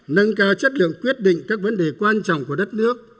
nâng cao chất lượng quyết định các vấn đề quan trọng của đất nước